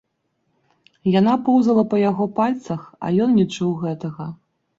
Яна поўзала па яго пальцах, а ён не чуў гэтага.